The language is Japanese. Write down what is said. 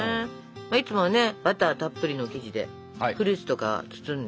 いつもはねバターたっぷりの生地でフルーツとか包んで焼くもんね。